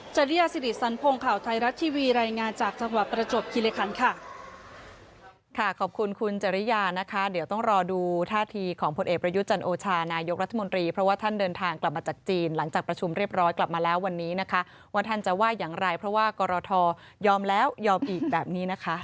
จริยสิริสันพงศ์ข่าวไทยรัฐทีวีรายงานจากธรรมประจบคิลิคัน